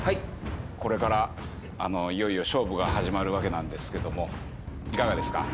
これからいよいよ勝負が始まるわけなんですけどもいかがですか？